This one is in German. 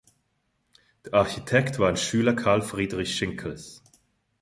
Der Architekt war ein Schüler Karl Friedrich Schinkels.